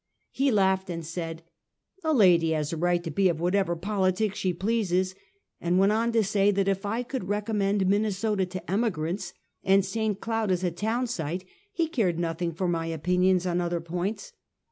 He laughed, and said: "A lady has a right to be of whatever politics she pleases," and went on to say, that if I could recom mend Minnesota to emigrants, and St. Cloud as a town site, he cared nothing for my opinions on other points.